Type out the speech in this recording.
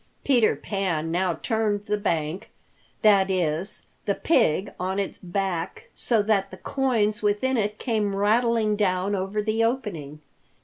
Peter Pan now turned the bank, that is, the pig on its back so that the coins within it came rattling down over the opening.